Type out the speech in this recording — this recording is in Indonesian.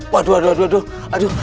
waduh aduh aduh aduh